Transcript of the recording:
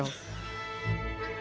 lima menit sebelum show